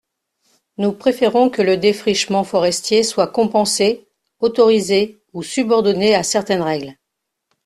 Nous préférons que le défrichement forestier soit compensé, autorisé, ou subordonné à certaines règles.